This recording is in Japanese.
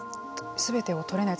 すべてを獲れない